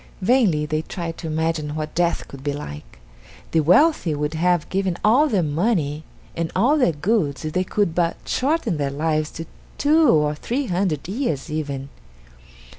Vainly they tried to imagine what death could be like. The wealthy would have given all their money and all their goods if they could but shorten their lives to two or three hundred years even.